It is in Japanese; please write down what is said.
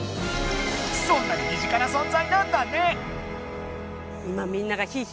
そんなに身近なそんざいなんだね。